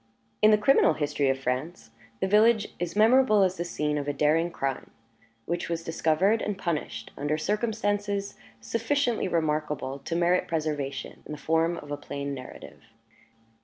In the criminal history of France, the village is memorable as the scene of a daring crime, which was discovered and punished under circumstances sufficiently remarkable to merit preservation in the form of a plain narrative.